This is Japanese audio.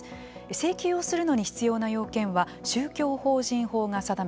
請求をするのに必要な要件は宗教法人法が定めています。